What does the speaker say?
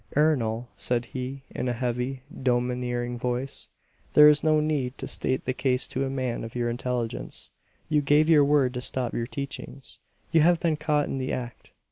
"Ernol," said he in a heavy, domineering voice, "there is no need to state the case to a man of your intelligence. You gave your word to stop your teachings; you have been caught in the act.